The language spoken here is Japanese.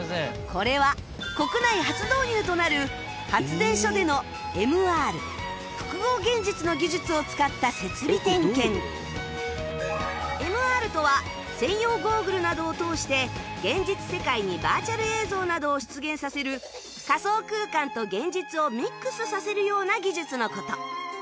これは国内初導入となる発電所での ＭＲ 複合現実の技術を使った設備点検ＭＲ とは専用ゴーグルなどを通して現実世界にバーチャル映像などを出現させる仮想空間と現実をミックスさせるような技術の事